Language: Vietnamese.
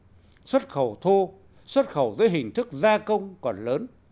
sản xuất khẩu thu sản xuất khẩu dưới hình thức gia công còn lớn